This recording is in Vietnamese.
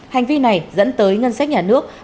hành vi này dẫn tới ngân sách nhà nước